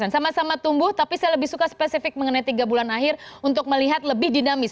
sama sama tumbuh tapi saya lebih suka spesifik mengenai tiga bulan akhir untuk melihat lebih dinamis